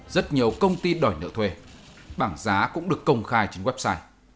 rất nhiều công ty đòi nợ thuê bảng giá cũng được công khai trên website